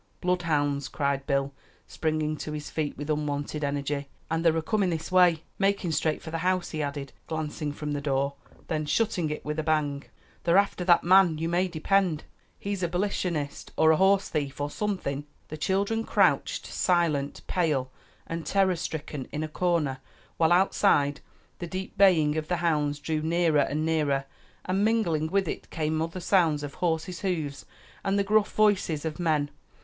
bloodhounds!" cried Bill, springing to his feet with unwonted energy. "And they're a comin' this way; makin' straight for the house," he added, glancing from the door, then shutting it with a bang. "They're after that man; you may depend. He's a 'balitionist, or a horse thief, or somethin'." The children crouched, silent, pale, and terror stricken, in a corner, while outside, the deep baying of the hounds drew nearer and nearer, and mingling with it came other sounds of horses' hoofs and the gruff voices of men.